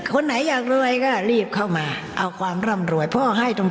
คนไหนอยากรวยก็รีบเข้ามาเอาความร่ำรวยพ่อให้ตรง